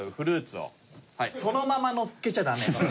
そのままのっけちゃダメ。